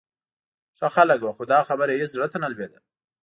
ښه خلک و، خو دا خبره یې هېڅ زړه ته نه لوېده.